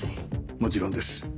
もちろんです。